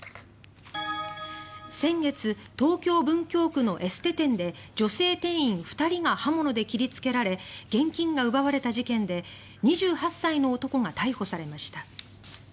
先月、東京・文京区のエステ店で女性店員２人が刃物で切りつけられ現金が奪われた事件で２８歳の男が逮捕されました。